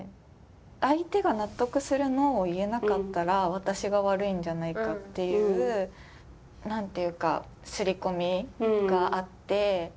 相手が納得するＮＯを言えなかったら私が悪いんじゃないかっていうなんていうか刷り込みがあって。